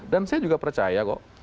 dan saya juga percaya kok